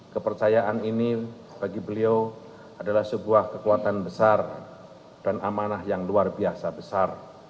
kepercayaan ini bagi beliau adalah sebuah kekuatan besar dan amanah yang luar biasa besar